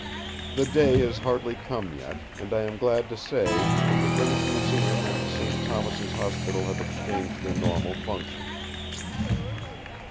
The day has hardly come yet, I am glad to say, when the British Museum and St. Thomas's Hospital have exchanged their normal functions.